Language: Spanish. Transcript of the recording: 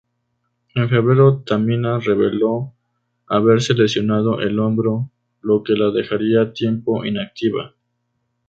En febrero Tamina revelo haberse lesionado el hombro, lo que la dejaría tiempo inactiva.